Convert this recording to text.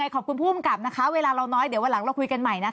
ขอบคุณผู้อำกับนะคะเวลาเราน้อยเดี๋ยววันหลังเราคุยกันใหม่นะคะ